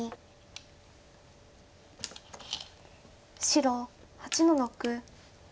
白８の六。